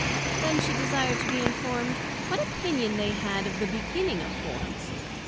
Then she desired to be informed, What opinion they had of the beginning of Forms?